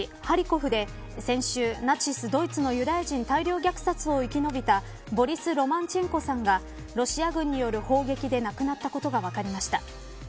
ハリコフで先週、ナチスドイツのユダヤ人大量虐殺を生き延びたボリス・ロマチェンコさんがロシア軍による砲撃で亡くなったことが分かりました。